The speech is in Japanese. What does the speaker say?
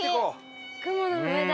雲の上だ。